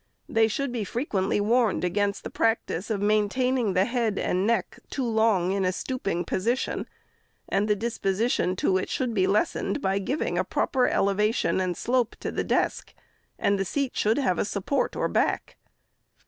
They should be frequently warned against the practice of maintaining the head and neck long in a stooping position, and the disposition to ON SCHOOLHOUSES. 459 it should be lessened by giving a proper elevation and slope to the desk, and the seat should have a support or back.